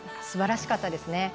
すばらしかったですね。